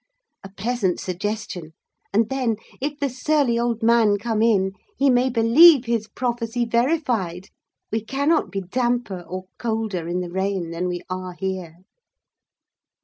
A pleasant suggestion—and then, if the surly old man come in, he may believe his prophecy verified—we cannot be damper, or colder, in the rain than we are here."